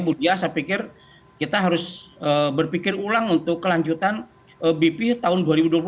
saya pikir kita harus berpikir ulang untuk kelanjutan bp tahun dua ribu dua puluh